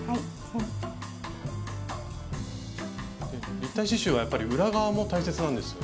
立体刺しゅうはやっぱり裏側も大切なんですよね。